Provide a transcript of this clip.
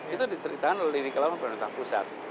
itu diceritakan oleh lidik kelaman pemerintahan pusat